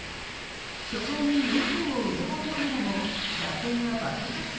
初回に４点を奪われながらも打線が爆発。